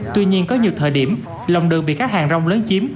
tuy nhiên có nhiều thời điểm lòng đường bị các hàng rong lớn chiếm